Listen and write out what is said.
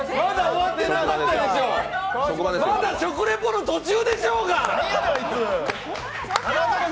食リポの途中でしょうが！